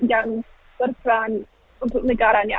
yang berperan untuk negaranya